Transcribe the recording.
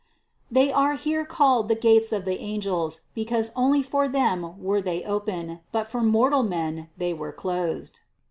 They are here called the gates of the angels, because only for them were they open, but for mortal men they were closed.